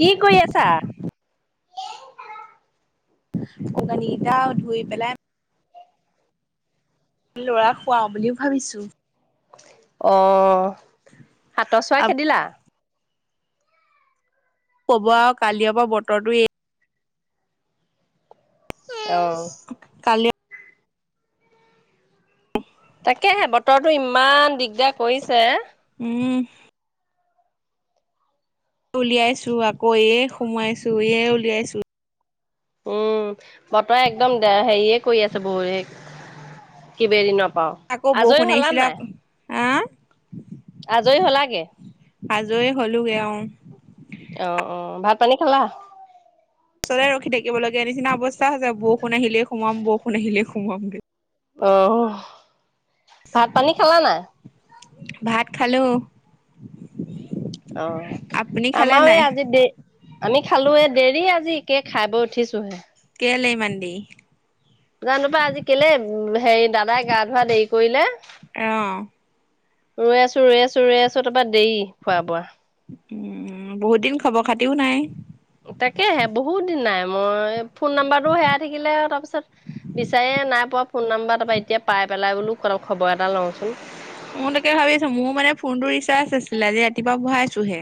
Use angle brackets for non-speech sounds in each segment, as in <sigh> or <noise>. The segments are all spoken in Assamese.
কি কৰি আছা? কণী কেইটা ধুই পেলাই লৰা খুৱাও বুলিও ভাবিছোঁ। অ' হাতৰ চৰা খেদিলা? কব আৰু কালিৰ পৰা বতৰটো এই উম অ'। কালি তাকেহে বতৰো ইমান দিগদাৰ কৰিছে। উম। উলিয়াইছো আকৌ এ সোমোৱাইছো এয়ে উলিয়াইছো। উম বতৰে একদম দে হেৰিয়ে কৰি আছে বহুত কিবা দিনত আকৌ বৰষুন আহছিলা, হা। আজৰি হ'লাগে? আজৰি হলোগে আও। অহ, অ', অ', ভাত পানী খালা? ওচৰতে ৰখি থাকিব লগগীয়া নিচিনা অৱস্থা হৈছে, বৰষুণ আহিলে সোমাম বৰষুণ আহিলেই সোমোৱামগৈ। আহ ভাত পানী খালা না। ভাত খালোঁ। অ' আমাৰ এই আজি দে আমি খালো য়ে। দেৰি আজি একে খাই বৈ উঠিছো হে কেলে ইমান দেৰি জানো পাই আজি কেলে হেৰি দাদাই গা ধোৱা দেৰি কৰিলে অহ ৰৈ আছো ৰৈ আছো ৰৈ আছো তাৰপৰা দেৰি খোৱা বোৱা উম বহুত দিন খবৰ খাতিও নাই। তাকেহে বহুত দিন নাই মই ফোন নাম্বাৰটো হেৰাই থাকিলে তাৰপিছত বিচাৰি! এ নাই পোৱা ফোন নাম্বাৰ তাৰ পৰা এতিয়া পাই পেলাই বোলো খবৰ এটা লওঁ মো তাকে ভাবি আছো মোৰ মানে ফোনটো ৰিচাৰ্জ নাছিলে আজি ৰাতিপুৱা ভৰাইছোহে!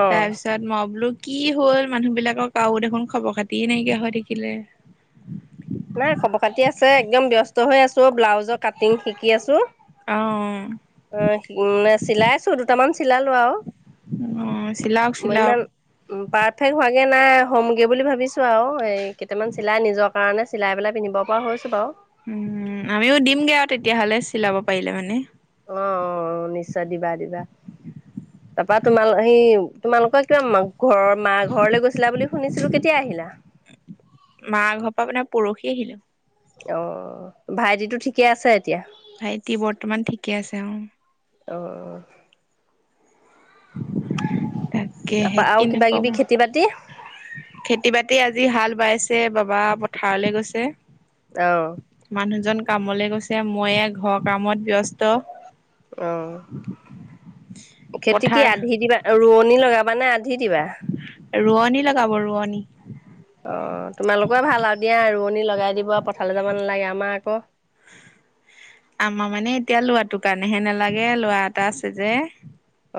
অ', তাৰপিছত মই বলুক কি হ'ল মানুহবিলাকৰ কাও দেখোন খবৰ খাতিয়ে নাইকিয়া হৈ থাকিলে নাই খবৰ খাতি আছে একদম ব্যস্ত হৈ আছো ব্লাউজৰ কাটিং শিকি আছো। অ', অঁ মানে চিলাই আছো দুটামান চিলালো আৰু অ', চিলাওক মই চিলাওক ইমান উ পাৰফেক্ট হোৱা নাই হ'মগৈ বুলি ভাবিছোঁ আৰু এই কেইটামান চিলাই নিজৰ কাৰণে চিলাই পেলাই পিন্ধিব পৰা হৈছোঁ বাৰু উম আমিও দিমগে আৰু তেতিয়াহ'লে চিলাব পাৰিলে মানে অঁ নিশ্চয় দিবা দিবা। তাৰপৰা তোমাল সি তোমালোকৰ কিবা ঘৰৰ মা ঘৰলৈ গৈছিলা বুলি শুনিছিলো কেতিয়া আহি <unintelligible> মা ঘৰ পৰা মানে পৰহি আহিলো। অঁ ভাইটিতো ঠিকে আছে? এতিয়া ভাইটি বৰ্তমান ঠিকে আছে অ অঁ তাকে তাৰপা সেই আৰু কিনে কিবা কিবি খেতি বাতি খেতি বাতি আজি হাল বাইছে বাবা পথাৰলৈ গৈছে অহঁ। মানুহজন কামলৈ গৈছে মই ঘৰৰ কামত ব্যস্ত অঃ খেতি কি পথাৰ আধি দিবা, ৰোৱনি লগাব বা মানে আধি দিবা? ৰোৱনী লগাব ৰোৱনীৰ। অ তোমালোকৰে ভাল আৰু দিয়া ৰোৱনী লগাই দিব পথাৰলে যাব নালাগে আমাৰ আকৌ আমাৰ মানে এতিয়া লৰাটো কাৰণেহে নালাগে লৰা এটা আছে যে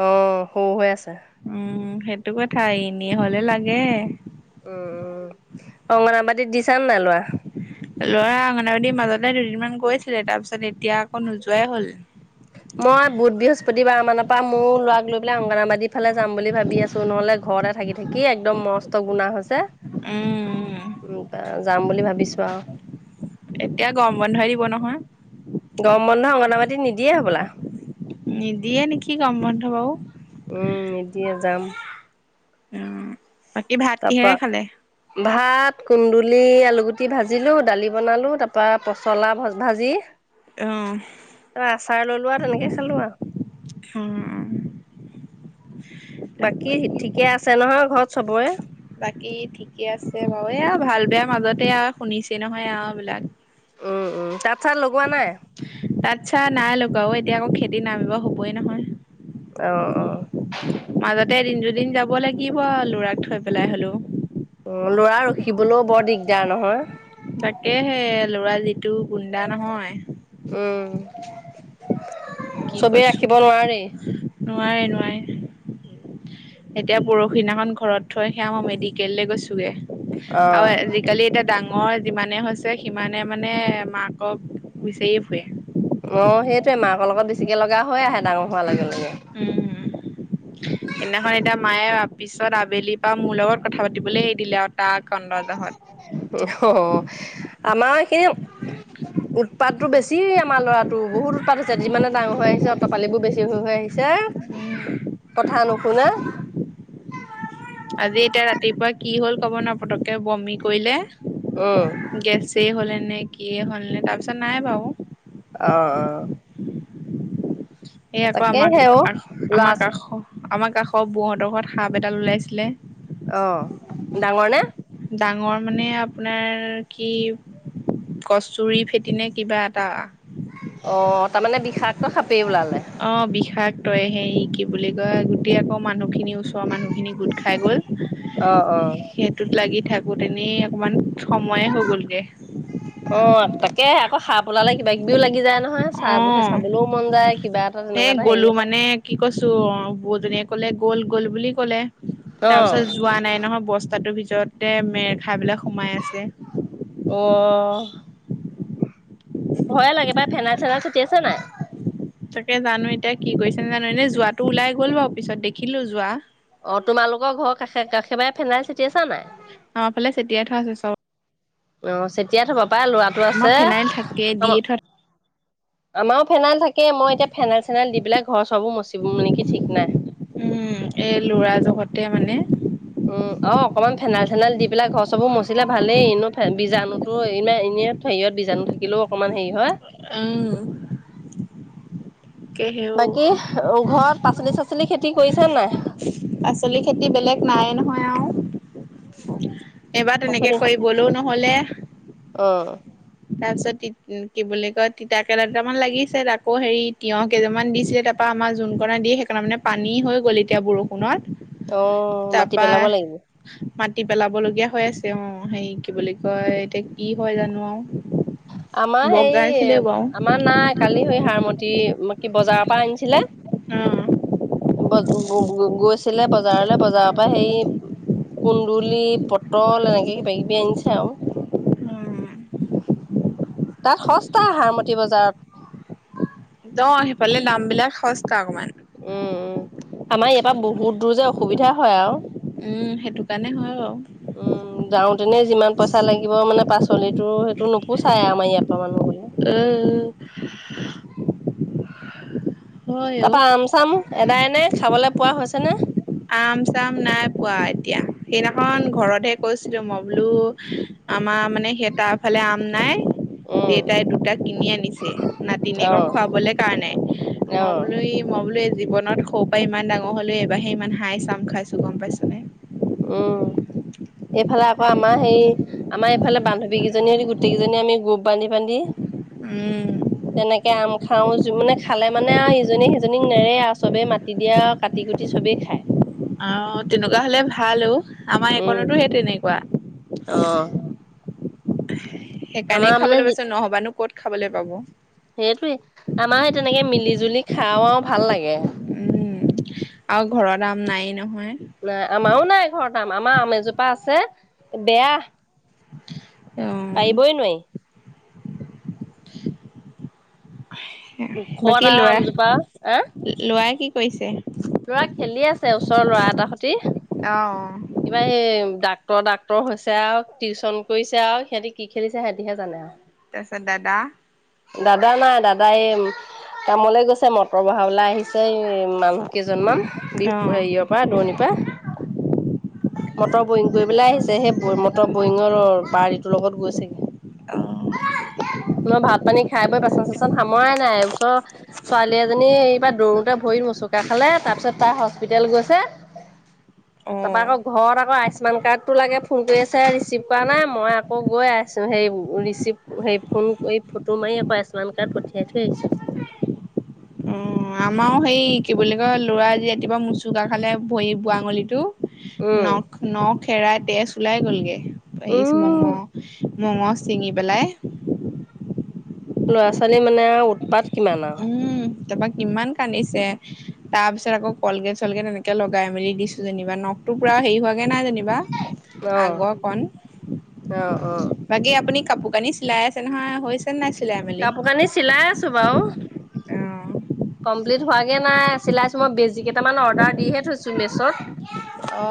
অঁ সৰু হৈ আছে। উম সেইটো কথাই এনেই হলে লাগে উম উম অংগনাবাদীত দিছা নাই ল'ৰা লৰা অংগনাবাদীৰ মাজতে দুদিনমান গৈছিলে তাৰপিছত এতিয়া আকৌ নোযোৱাই হ'ল প্ৰতিবাৰ মানৰ পৰা মোৰ ল'ৰাক লৈ পেলাই অংগনবাদী ফালে যাম বুলি ভাবি আছো নহ'লে ঘৰতে থাকি থাকি একদম মস্ত গুণা হৈছে উম যাম বুলি ভাবিছোঁ আৰু এতিয়া গম বন্ধই দিব নহয় গৰম বন্ধ অংগনবাড়ী নিদিয়ে হবলা নিদিয়ে নেকি গৰম বন্ধ বাওঁ উম নিদিয়ে যাম উম বাকী ভাত তাৰপা কিহেৰে খালে ভাত কুন্দুলি, আলুগুটি ভাজিলো দালি বনালো তাৰ পৰা পচলা ভাজি অ' ত আচাৰ ললো আৰু তেনেকে খালো আৰু উম বাকী ঠিকে আছে নহয় ঘৰত চবৰে বাকী ঠিকে আছে বাওয়ে আও ভাল বেয়া মাজতে আও শুনিছে নহয় আও এইবিলাক উম উম তাত চাত লগোৱা নাই? তাত্‌-চাত্ নাই লগোৱা অ, এতিয়া আকৌ খেতিত নামিব হ'বই নহয়। অঁ, অঁ মাজতে এদিন দুদিন যাব লাগিব আও, ল'ৰাক থৈ পেলাই হ'লেও। অঁ, ল'ৰা ৰখিবলো বৰ দিগদাৰ নহয়। তাকেহে, ল'ৰা যিটো গুণ্ডা নহয়। উম, কি চবেই কৈছো ৰাখিব নোৱাৰে। নোৱাৰে, নোৱাৰে। ওঁ এতিয়া পৰখিনাখন ঘৰত থৈহে আও, মই মেডিকেললে গৈছোগে। অ আও, আজি-কালি এটা ডাঙ্‌ ঙৰ যিমানে হৈছে সিমানে মানে, মাকক বিচাৰিয়ে ফুৰে। অঁ, সেইটোয়ে, মাকৰ লগত বেছিকে লগা হৈ আহে, ডাঙ হোৱাৰ লগে লগে। উম, উম অঁ মা- সেইদিনাখন এতিয়া মায়ে পিছত, আবেলিপা মোৰ লগত কথা পাতিবলে এৰি দিলে আৱ তাৰ কন্দজহত। অহ্‌হ, আমাৰ সিও উৎপাতটো বেছি আমাৰ ল'ৰাটো, বহুত উৎপাত হৈছে। যিমানে ডাঙৰ হৈ আহিছে, অটপালি বোৰ বেছি হৈ হৈ আহি ছে উম, কথা নুশুনে। আজি এতিয়া ৰাতিপুৱা কি হ'ল ক'ব নোৱাৰো, পতকে বমি কৰিলে। উম গেছেই হ'লেনে কিয়ে হ'ল নে? তাৰপিছত নাই বাও। অঁ, অঁ এ আক আমাৰ অ কাষ্‌, ল'ৰা আমাৰ কাষ আমাৰ কাষৰ বৌহঁতৰ ঘৰত সাপ এডাল ওলাইছিলে। অঁ, ডাঙৰ নে? ডাঙৰ মানে, আপোনাৰ কি কষ্টুৰিফেটি নে কিবা এটা অঁ, তাৰমানে বিষাক্ত সাপ। অঁ, বিশাক তই সেৰি, কি বুলি কয়? গোটেই আকৌ মানুহখিনি, ওচৰৰ মানুহখিনি গোট খাই গ'ল। অঁ, অঁ থাকো, তেনেই অকমান সময়ে হৈ গ'লগে অঁ, তাকে আকৌ সাপ উলালে কিবা- কিবিও লাগি যায় নহয়। চাব অঁ, চাবলৈও মন যায় কিবা এটা এ তেনেকুৱা এটা হেৰি গলো এটা মানে, কি কৈছো? বৌজনীয়ে ক'লে গ'ল গ'ল বুলি ক'লে, অ তাৰপিছত যোৱা নাই নহয়। বস্তাটোৰ ভিতৰতে মেৰ খাই পেলাই সোমাই আছে। অঁ--হ ভয়ে লাগে পাই। ফেনাইল-চেনাইল চটিয়াইছ' নাই? তাকে জানো এতিয়া, কি কৰিছে জানো? এনেই যোৱাটো ওলাই গ'ল অঁ, তোমালোকৰ ঘৰ কাষে, কাষেফালে ফেনাই চে আমাৰ ফালে চেতিয়াই থোৱা আছে চবত্‌। অঁ, চেতিয়াই থ'বা পাই ল'ৰাটো আমাৰ আছে। ফেনাইল থাকে অম দিয়ে থোৱা আমাও ফেনাইল থাক্‌ তাকেই। মই এতিয়া ফেনাইল- চেনাইল দি পেলাই ঘৰ- চৰবো মুচিম নিকি ঠিক নাই। এ ল'ৰা জহতে মানে উম অ অকমান ফেনাইল- চেনাইল দি পেলাই ঘৰ -চৰবো মুচিলে ভালেই এনো বীজাণুটো ইমা-এনে হেৰিয়ত, বীজাণু থাকিলেও অকণমান হেৰি হ'য়। অঁও বাকি, ঘৰত পাচলি -চাচলি খেতি কৰিছা নাই? পাচলি খেতি বেলেগ নাই, নহয় আও। এইবাৰ তেনেকে কৰিবলও নহলে। অঁ তাৰপিছত তি কি বুলি কয় তিতাকেৰেলা দুটামান লাগিছে আকৌ হেৰি তিয়হ কেইযোপামান দিছিলে তাপা। আমাৰ যোনকণত দিয়ে সেইকাৰণে মানে পানী হৈ গ'ল এতিয়া বৰষুণত। অহ মাটি পেলাব লাগিব। মাতি পেলাব লগীয়া হৈ আছে অ হে কি বুলি কয় এতিয়া কি হয় জানো আৰু। আমাৰ হেই বগাইছিলে বাৰু। আমাৰ নাই কালি হৈ সাৰমতি। কি বজাৰৰ পৰা আনিছিলে। অ। ব গ গৌ গৌ গৈছিলে বজাৰলে বজাৰৰ পৰা সেই। কুন্দুলি পটল এনেকে কিবা কিবি আনিছে আৰু। উম, তাত সস্তা হাৰমতী বজাৰত। দ সেইফালে দাম বিলাক সস্তা অকমান। উম উম আমাৰ ইয়াৰ পৰা বহুত দূৰ যে অসুবিধা হয় আও। উম, সেইটো কাৰণে হয় বাৰু, উম যাওঁতেনে যিমান পইচা লাগিব মানে। পাচলিটো সেইটো নোপোচাই আমাৰ ইয়াৰ পৰা মানুহ গল উম উ। তাপা আম চাম এদায় ন খাবলৈ পোৱা হৈছে নে। আম চাম নাই পোৱা এতিয়া সেইদিনাখন ঘৰতহে কৈছিলো মই বুলু আমাৰ। মানে সেই তাৰ ফালে আম নাই। উম দেউতাই দুটা কিনি আনিছে নাতিনীয়েকৰ অ' খোৱাবলে কাৰণে মই অ' বোলো হেই মই বোলো। জীৱনত সৌ পৰা ইমান ডাঙৰ হ'লেও এবাহে ইমান হাইছ্ আম খাইছো গম পাইছা নে। উম। এইফালে আকৌ আমাৰ হেই আমাৰ এইফালে বান্ধৱীকেইজনী হ গোটেই কেইজনী আমি গোপ বান্ধি বান্ধি। উম। তেনেকে আম খাওঁ মানে খালে মানে আৰু ইজনিয়ে সিজনীক নেৰে আৰু চবেই মাতি দিয়ে আৰু কাটি কুটি চবেই। খাই। অ তেনেকুৱা হলে ভাল অ আমাৰ একনতো সেই তেনেক অহ। সেইকাৰণেই খাবলৈ যি পাইছো নহবানো কত খাবলৈ পাব। সেইটোৱে আমাৰ সেই তেনেকে মিলি জুলি খাও আৰু ভাল লাগে। উম আৰু ঘৰত আম নাই নহয়। নাই আমাৰও নাই ঘৰত আম আমাৰ আম এজোপা আছে বেয়া। <unintelligible> পাৰিবই নোৱাৰি। <unintelligible> ওখত বাকী আৰু লৰা আমজোপা আহ লৰা কি কৰিছে। লৰা খেলি আছে ওচৰৰ লৰা এটাৰ সতি অ কিবা হেই দাক তৰ ডাক্তৰ হৈছে আ টিউশ্যন কৰিছে আ সিহঁতি কি খেলিছে সিহঁতিহে জানে আৰু। ছ দাদা। দাদা নাই দাদা এই কামলৈ গৈছে মটৰ বহাবলৈ আহিছে মানুহ কেইজনমান অ বিহু হেৰিয়ৰ পৰা দৰণিৰ পৰা। মটৰ বয়িং কৰি পেলাই আহিছে সেই মটৰ বয়িঙৰ পাৰটিটোৰ লগত গৈছে। অ। মই ভাত। পানী খাই বৈ বাচন চাচন সামৰাই নাই ওচৰ ছোৱালী এজনী এইব পৰা দৌৰোতে ভৰি মচকা খালে। এ তাৰপিছত তাৰ হস্পিতেল গৈছে। অ তাৰপৰা আকৌ ঘৰত আকৌ আয়ুস্মান কাৰ্ড টো লাগে ফোন কৰি আছে ৰিচিভ কৰা নাই মই আকৌ গৈ আছো হেৰিব। ৰিচিভ সেই ফোন। তোৰ মাৰ আকৌ আয়ুস্মান কাৰ্ড পঠিয়াই থৈ আহিছো। অ আমাৰো সেই কি বুলি কয় ল'ৰাজি ৰাতিপুৱা মোচুকা খালে ভৰি বোৱা আঙলীটো। উম, নখ নখেৰাই তেজ ওলাই গ'লগে এই মম। উম, মঙ ছিঙি পেলাই ল'ৰা ছোৱালী মানে উৎপাত কিমান আৰু। তাৰাপা কিমান কান্দিছে। তাৰ পিছত আকৌ কলগেট চলগেট এনেকে লগাই মেলি দিছো যেনিবা নখ পোৰা হৰি হোৱাগে নাই যেনিব বা অ', আগৰ কন অ', অ', বাকী আপুনি কাপোৰ-কানি চিলাই আছে নহয়, হৈছে নাই। চিলাই মেলি কাপোৰ-কানি চিলাই আছো বাৰু। কমপ্লিট হোৱাগে নাই চিলাইছো মই বেজি কেইটামান অৰ্ডাৰ দিহে থৈছো মেচত। অ অ',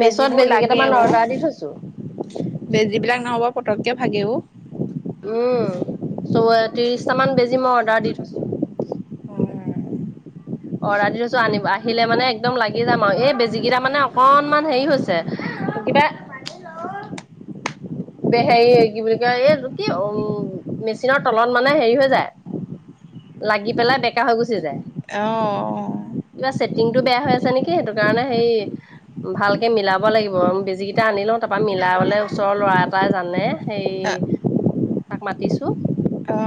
মেছত বেজিবোৰ বেজি লাগে কেইটামান অ অৰ্ডাৰ দি থৈছো 'বেজী বিলাক নহব পটককৈ ভাগেও।। উম, চৌ ত্ৰিশটামান বেজি মই অৰ্ডাৰ দি থৈছো। অৰ্ডাৰ দি থৈছো আনি আহিলে মানে একদম লাগি যাম আৰু। এই বেজী কেইটা মানে অকনমান হেৰি হৈছে। কিবা হেৰি কি বুলি কয় এইটো কি উ মেচিনৰ তলত মানে হেৰি হৈ যায়। লাগি পেলাই বেকা হৈ গুচি যায়। অ কিবা ছেটিংটো বেয়া হৈ আছে নেকি সেইটো কাৰণে হেৰি ভালকে মিলাব লাগিব। বেজি কেইটা আনি লওঁ তাৰাপা মিলাবলে ওচৰৰ ল'ৰা এ তাই জানে সেই তাক মাতিছো। অ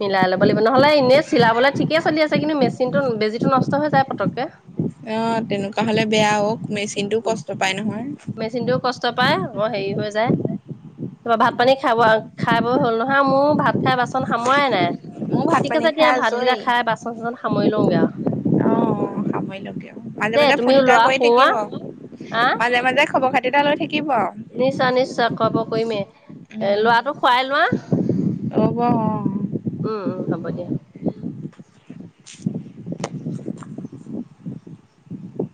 মিলাই ল'ব লাগিব। নহ'লে এনেই চিলাবলৈ ঠিকেই চলি আছে। কিন্তু, মেচিনটো বেজিটো নষ্ট হৈ যায় পতককে। অ' তেনেকুৱা হলে বেয়া হওক মেচিনটোও কষ্ট পায় নহয়। মেচিনটোও কষ্ট পায় আকৌ হেৰি হৈ যায়। ত, ভাত পানী খা ব খাই বই হ'ল নহয়, মোৰ ভাত খাই বাচন সামৰাই নাই। মোৰ ভাত ঠিক পানী আছে দিয়া। খাই ভাতকেইটা আজৰি খাই বাচন চাচন সামৰি লওঁগে আও। অ সামৰি লওঁকগে। মাজে-মাজে ফোন এটা ল'ৰা কৰি থাকিব শুওৱা আৰু, আহ মাজে-মাজে খবৰ খাতিটা লৈ থাকিব। আৰু নিশ্চয়, নিশ্চয় খব কৰিমে এ লৰাটো খুৱাই লোৱা। হ'ব হ উম হ'ব দিয়া।